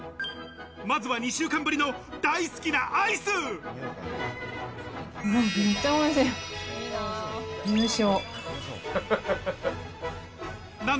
まずは２週間ぶりの大好きな